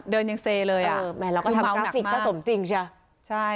เดินยังเซเลยอะเออแหมเราก็ทำกราฟิกซะสมจริงใช่ใช่